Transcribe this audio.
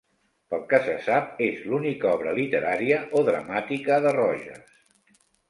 Pel que se sap, és l'única obra literària o dramàtica de Rojas.